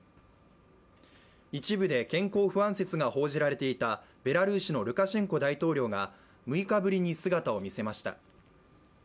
一部で健康不安説が報じられていたベラルーシのルカシェンコ大統領が６日ぶりに姿を見せました。